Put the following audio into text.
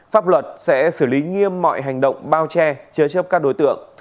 pháp luật sẽ xử lý nghiêm mọi hành động bao che chế chấp các đối tượng